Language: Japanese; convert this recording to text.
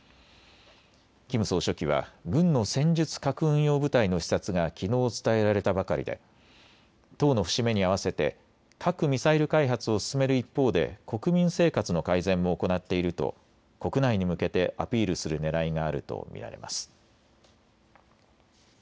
キム総書記は軍の戦術核運用部隊の視察がきのう伝えられたばかりで党の節目に合わせて核・ミサイル開発を進める一方で国民生活の改善も行っていると国内に向けてアピールするねらいがあると見られます。